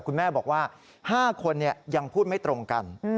คุณแม่บอกว่า๕คนยังพูดไม่ตรงกัน